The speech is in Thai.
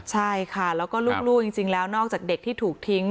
ใช่ค่ะแล้วก็ลูกจริงแล้วนอกจากเด็กที่ถูกทิ้ง